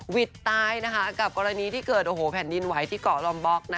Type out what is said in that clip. วิดตายกับกรณีที่เกิดแผ่นดินไหวที่เกาะลอมบล็อก